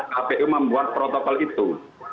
kpku membuat protokol itu